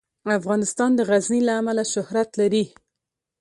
افغانستان د غزني له امله شهرت لري.